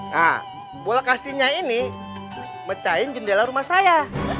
nah bola kastilnya ini mecahin jendela rumah saya